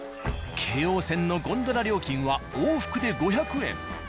京王線のゴンドラ料金は往復で５００円。